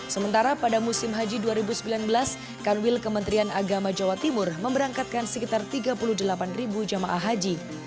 sementara pada musim haji dua ribu sembilan belas kanwil kementerian agama jawa timur memberangkatkan sekitar tiga puluh delapan jemaah haji